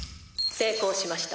「成功しました」。